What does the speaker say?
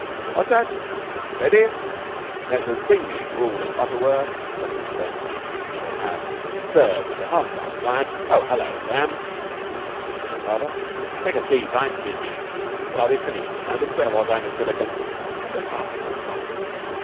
"That's that. Ready? Messrs. Brigney, Goole and Butterworth. What infernal names these people have. Sirs, on behalf of our client ... oh, hullo, Sam!" "Good morning, father." "Take a seat. I'm busy, but I'll be finished in a moment. Where was I, Miss Milliken?" "On behalf of our client...."